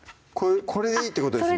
これでいいってことですね